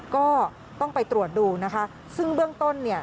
ก็ต้องไปตรวจดูนะคะซึ่งเบื้องต้นเนี่ย